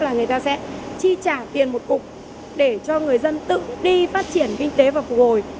là người ta sẽ chi trả tiền một cục để cho người dân tự đi phát triển kinh tế và phục hồi